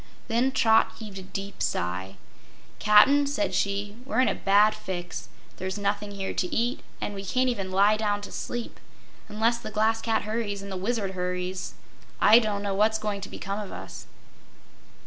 Then Trot heaved a deep sigh. "Cap'n," said she, "we're in a bad fix. There's nothing here to eat, and we can't even lie down to sleep. Unless the Glass Cat hurries, and the Wizard hurries, I don't know what's going to become of us!"